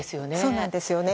そうなんですよね。